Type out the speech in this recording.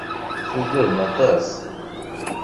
Tugadem aṭas.